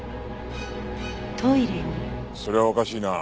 それはおかしいな。